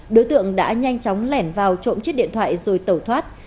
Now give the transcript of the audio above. đối tượng đã nhanh chóng lẻn vào trộm chiếc điện thoại rồi tẩu thoát